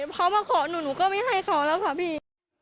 เขามาขอหนูหนูก็ไม่ให้เขาแล้วค่ะพี่